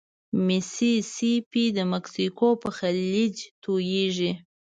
ميسي سي پي د مکسیکو په خلیج توییږي.